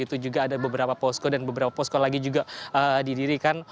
itu juga ada beberapa posko dan beberapa posko lagi juga didirikan